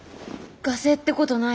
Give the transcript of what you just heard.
ガセってことない？